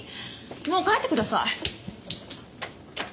もう帰ってください。